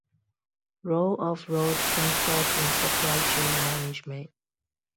Role of road transport in supply chain management.